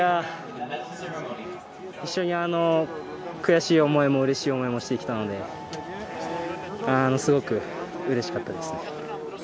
一緒に悔しい思いも、うれしい思いもしてきたので、すごくうれしかったですね。